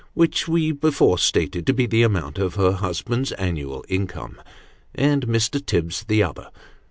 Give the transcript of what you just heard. which we before stated to be the amount of her husband's annual income, and Mr. Tibbs the other.